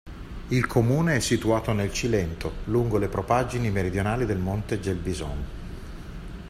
Il comune è situato nel Cilento, lungo le propaggini meridionali del monte Gelbison.